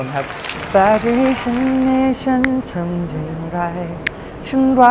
กับโทนโทนครับ